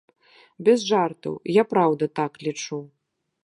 Без жартаў, я праўда так лічу.